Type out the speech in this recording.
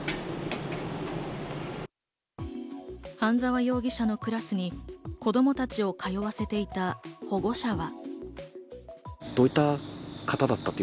半沢容疑者のクラスに子供たちを通わせていた保護者は。